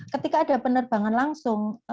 ketika ada penerbangan langsung